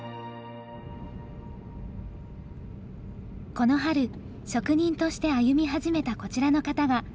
この春職人として歩み始めたこちらの方が今回の主人公。